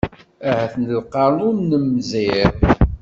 Ahat lqern ur nemmẓir!